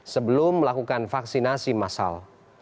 sebelum melakukan vaksinasi massal